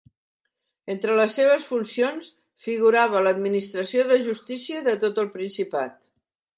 Entre les seves funcions figurava l'administració de justícia de tot el principat.